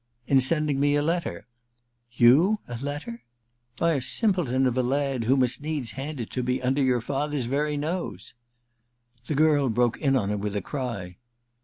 * >in sending me a letter * Tou — z letter ?'* by a simpleton of a lad, who must needs hand it to me under your father's very nose * The girl broke in on him with a cry.